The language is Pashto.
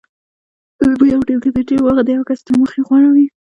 په یو ټیم کې د ټیم موخه د یو کس تر موخې غوره وي.